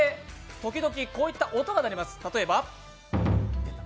途中で時々こういった音が鳴ります。